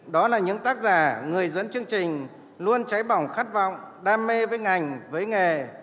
đó là những tác giả người dẫn chương trình luôn cháy bỏng khát vọng đam mê với ngành với nghề